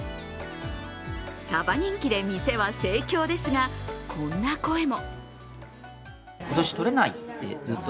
サバ人気で店も盛況ですがこんな声も。